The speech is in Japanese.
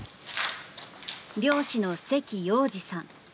漁師の關洋二さん。